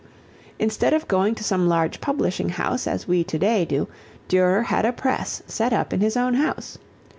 Instead of going to some large publishing house, as we to day do, Durer had a press set up in his own house.